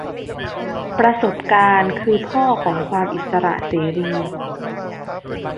ประสบการณ์คือพ่อของความอิสระเสรี